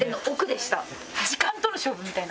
時間との勝負みたいな。